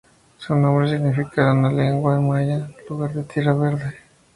Su nombre significa en lengua maya "lugar de tierra verde".